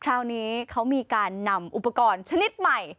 คราวนี้เขามีการนำอุปกรณ์ชนิดใหม่